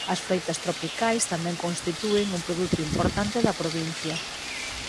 As froitas tropicais tamén constitúen un produto importante da provincia.